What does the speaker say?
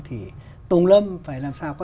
thì tùng lâm phải làm sao có